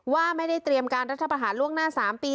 ว่าไม่ได้เตรียมการรัฐประหารล่วงหน้า๓ปี